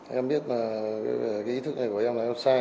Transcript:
em biết là cái ý thức này của em là em sai